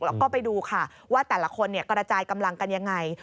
แล้วก็ไปดูค่ะว่าแต่ละคนกระจายกำลังกันยังไง